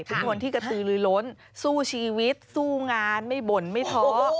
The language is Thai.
เป็นคนที่กระตือลือล้นสู้ชีวิตสู้งานไม่บ่นไม่ท้อ